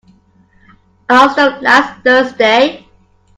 I lost them last Thursday.